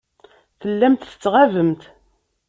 Tellamt tettɣabemt.